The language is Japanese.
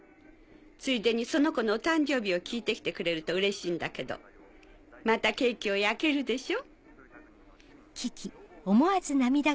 ついでにその子のお誕生日を聞いて来てくれるとうれしいんだけどまたケーキを焼けるでしょ？